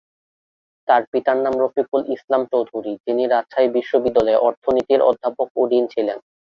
তার পিতার নাম রফিকুল ইসলাম চৌধুরী, যিনি রাজশাহী বিশ্ববিদ্যালয়ে অর্থনীতির অধ্যাপক ও ডীন ছিলেন।